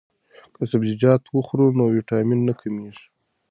که سبزیجات وخورو نو ویټامین نه کمیږي.